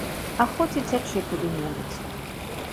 А хоць уцячы куды-небудзь.